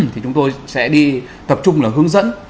thì chúng tôi sẽ đi tập trung là hướng dẫn